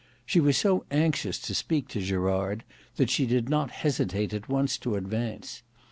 She was so anxious to speak to Gerard, that she did not hesitate at once to advance.